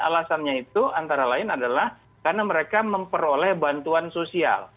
alasannya itu antara lain adalah karena mereka memperoleh bantuan sosial